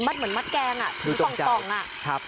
เหมือนมัดแกงอ่ะคือป่องอ่ะ